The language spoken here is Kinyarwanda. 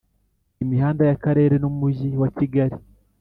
Imihanda y’Akarere n’Umujyi wa Kigali